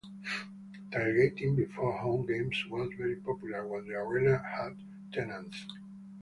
Tailgating before home games was very popular when the arena had tenants.